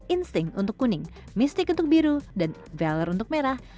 instinct untuk kuning mystic untuk biru dan valor untuk merah